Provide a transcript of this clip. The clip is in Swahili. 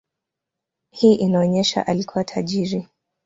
Hii inaonyesha alikuwa tajiri.